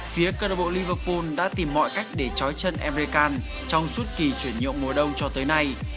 phía cơ đội liverpool đã tìm mọi cách để chói chân emre kan trong suốt kỳ chuyển nhượng mùa đông cho tới nay